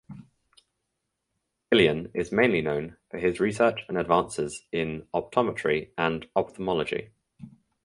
Guillon is mainly known for his research and advances in optometry and ophthalmology.